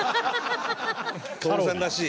徹さんらしい。